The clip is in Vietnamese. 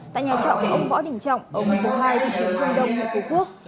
tại nhà trọ của ông võ đình trọng ở một trăm bốn mươi hai tỉnh trường dung đông huyện phú quốc